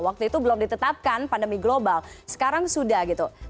waktu itu belum ditetapkan pandemi global sekarang sudah gitu